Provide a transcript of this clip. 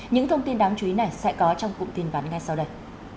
những thông tin đáng chú ý này sẽ có trong cụm tin ván ngay sau đây